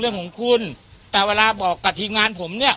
เรื่องของคุณแต่เวลาบอกกับทีมงานผมเนี่ย